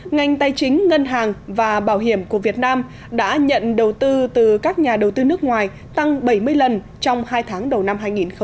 ngành tài chính ngân hàng và bảo hiểm của việt nam đã nhận đầu tư từ các nhà đầu tư nước ngoài tăng bảy mươi lần trong hai tháng đầu năm hai nghìn hai mươi